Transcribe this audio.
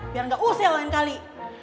biar gak usih lain kali